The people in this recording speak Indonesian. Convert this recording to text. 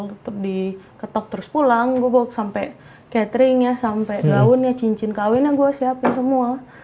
tetep diketok terus pulang gue bawa sampe cateringnya sampe gaunnya cincin kawinnya gue siapin semua